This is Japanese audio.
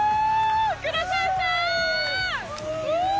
黒沢さん！